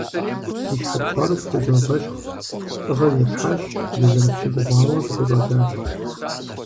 Си щхьэ тхъуар фхузогъэщхъ, лӀыгъэ зефхьащ, дызэрыфщыгугъауэ фыкъыщӀэкӀащ!